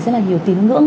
rất là nhiều tín ngưỡng